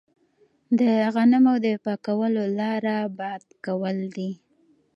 د غنمو د پاکولو لاره باد کول دي.